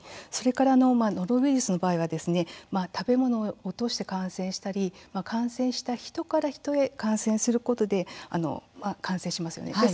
それからノロウイルスの場合は食べ物を通して感染したり感染した人から人へ感染することで感染しますよね。